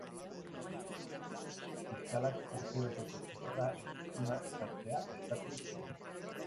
Fiskalak urtebeteko zigorra edo isuna ezartzea eskatu zuen.